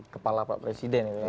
kepala pak presiden ya